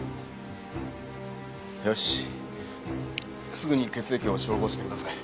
よしすぐに血液を照合してください。